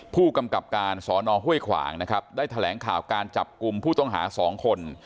ผู้กำกับการสอนอห้วยขวางนะครับได้แถลงข่าวการจับกลุ่มผู้ต้องหา๒คน